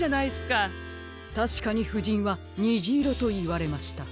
たしかにふじんは「にじいろ」といわれました。